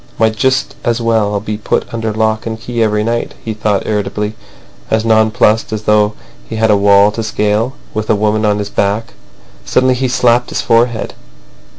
"Might just as well be put under lock and key every night," he thought irritably, as nonplussed as though he had a wall to scale with the woman on his back. Suddenly he slapped his forehead.